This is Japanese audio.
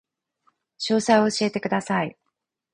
詳細を教えてください